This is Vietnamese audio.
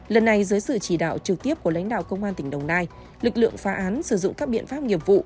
lần này dưới sự chỉ đạo trực tiếp của lãnh đạo công an tỉnh đồng nai lực lượng phá án sử dụng các biện pháp nghiệp vụ